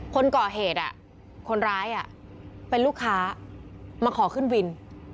คนก่อเหตุคนร้ายเป็นลูกค้ามาขอขึ้นวิน